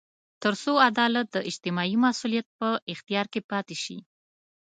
تر څو عدالت د اجتماعي مسوولیت په اختیار کې پاتې شي.